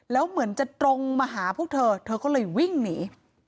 แล้วเหมือนจะตรงมาหาพวกเธอเธอก็เลยวิ่งหนี